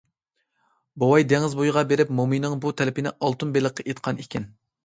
بوۋاي دېڭىز بويىغا بېرىپ مومىيىنىڭ بۇ تەلىپىنى ئالتۇن بېلىققا ئېيتقان ئىكەن.